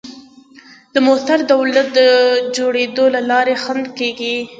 د موثر دولت د جوړېدو د لارې خنډ کېږي.